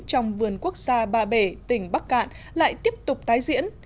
trong vườn quốc gia ba bể tỉnh bắc cạn lại tiếp tục tái diễn